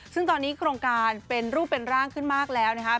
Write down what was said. ซึ่งตอนนี้โครงการเป็นรูปเป็นร่างขึ้นมากแล้วนะครับ